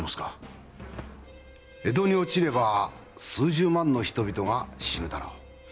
江戸に落ちれば数十万の人々が死ぬだろう。